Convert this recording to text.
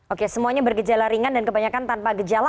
oke semuanya bergejala ringan dan kebanyakan tanpa gejala